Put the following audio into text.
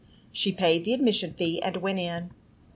She paid the admission fee, and went in.